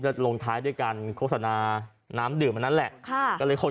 ลงท้ายด้วยการโฆษณาน้ำดื่มอันนั้นแหละค่ะก็เลยคน